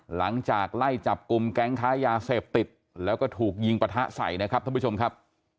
หลังจากไล่จับกลุ่มแก๊งค้ายาเสพติดแล้วก็ถูกยิงปะทะใส่นะครับท่านผู้ชมครับ